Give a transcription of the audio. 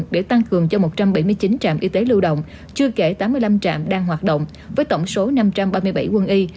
để tăng cường cho một trăm bảy mươi chín trạm y tế lưu động chưa kể tám mươi năm trạm đang hoạt động với tổng số năm trăm ba mươi bảy quân y